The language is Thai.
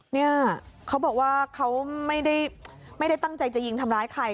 เนี่ยเขาบอกว่าเขาไม่ได้ตั้งใจจะยิงทำร้ายใคร